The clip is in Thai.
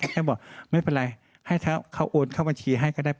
ท่านบอกไม่เป็นไรให้เขาโอนเข้าบัญชีให้ก็ได้